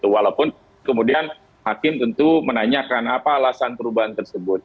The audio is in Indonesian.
walaupun kemudian hakim tentu menanyakan apa alasan perubahan tersebut